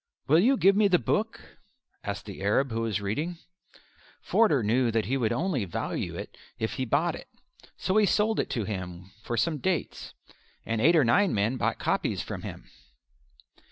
"Will you give me the book?" asked the Arab who was reading. Forder knew that he would only value it if he bought it, so he sold it to him for some dates, and eight or nine men bought copies from him.